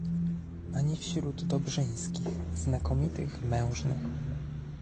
Ani wśród Dobrzyńskich, znakomitych mężnych